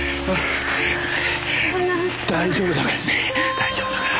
大丈夫だからね。